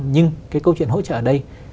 nhưng câu chuyện hỗ trợ ở đây